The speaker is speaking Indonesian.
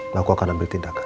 nah aku akan ambil tindakan